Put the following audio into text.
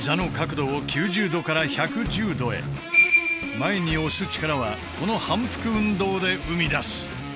前に押す力はこの反復運動で生み出す。